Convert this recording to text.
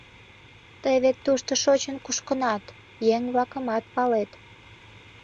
«Тый вет тушто шочын-кушкынат, еҥ-влакымат палет».